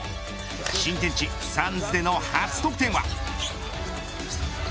新天地、サンズでの初得点は。